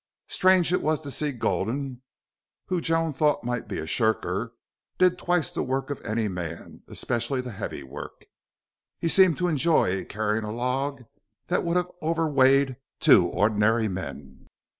Strange it was to see that Gulden, who Joan thought might be a shirker, did twice the work of any man, especially the heavy work. He seemed to enjoy carrying a log that would have overweighted two ordinary men.